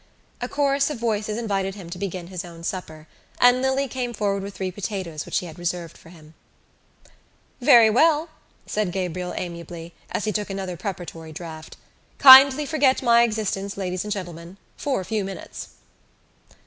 A chorus of voices invited him to begin his own supper and Lily came forward with three potatoes which she had reserved for him. "Very well," said Gabriel amiably, as he took another preparatory draught, "kindly forget my existence, ladies and gentlemen, for a few minutes."